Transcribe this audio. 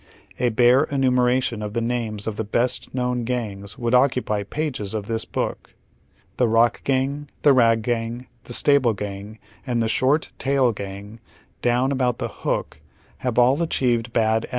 A bare enumeration of the names of the best known gangs would occupy pages of tiiis book. The Rock Gang, the Kag Gang, the Stable Gang, and the Short Tail Gang down about the " Hook " have all achieved bad e